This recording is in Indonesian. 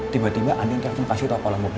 tiba tiba andin terima kasih toko lembut